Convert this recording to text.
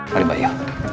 mari mbak yu